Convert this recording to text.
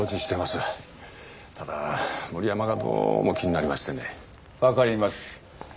ただ森山がどうも気になりましてね分かります